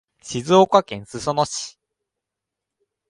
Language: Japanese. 静岡県裾野市